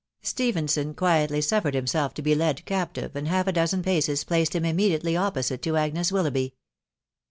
Stephenson quietly suffered himself to be led captive, and half a dozen paces placed him immediately opposite to Agnes Willoughby.